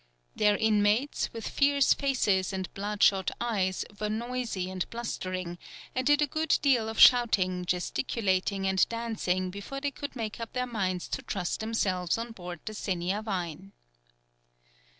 Their inmates, with fierce faces and blood shot eyes, were noisy and blustering, and did a good deal of shouting, gesticulating, and dancing before they could make up their minds to trust themselves on board the Seniavine.